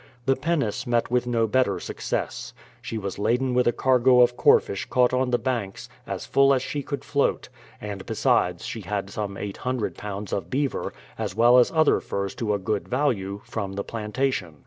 The pinnace met with no better success. She was laden with a cargo of corfish caught on the banks, as full as she could float ; and besides she had some 800 lbs. of beaver, as well as other furs to a good value, from the plantation.